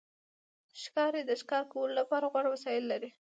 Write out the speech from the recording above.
ښکاري د ښکار کولو لپاره غوره وسایل لري.